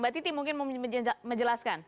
mbak titi mungkin mau menjelaskan